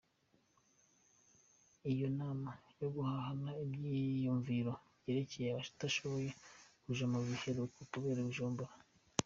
Iyo nama yo guhanahana ivyiyumviro yerekeye abatashoboye kuja mu biheruka kubera i Bujumbura.